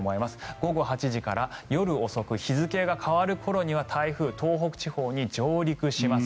午後８時から夜遅く日付が変わる頃には台風、東北地方に上陸します。